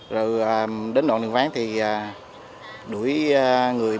rồi đến đội đường ván thì đuổi người bị hạ xuống xe